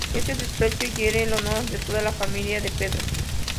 Este desprecio hiere el honor de toda la familia de Pedro.